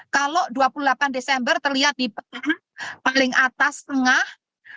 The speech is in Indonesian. kalau dua puluh delapan desember terlihat di pekan paling atas tengah